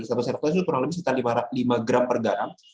sama sendok teh itu kurang lebih sekitar lima gram per garam